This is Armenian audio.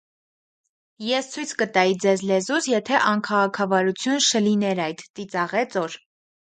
- Ես ցույց կտայի ձեզ լեզուս, եթե անքաղաքավարություն շլիներ այդ,- ծիծաղեց օր.